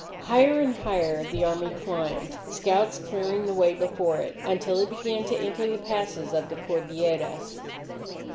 Higher and higher the Army climbed, scouts clearing the way before it, until it began to enter the passes of the Cordilleras.